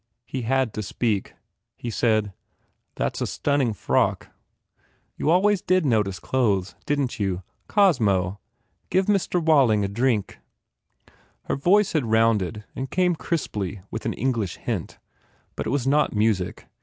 He had to speak. He said, "That s a stunning frock." "You always did notice clothes, didn t you? Cosmo, do give Mr. Walling a drink." Her voice had rounded and came crisply with an English hint. But it was not music.